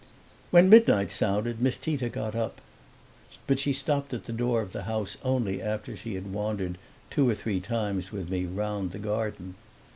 When midnight sounded Miss Tita got up; but she stopped at the door of the house only after she had wandered two or three times with me round the garden.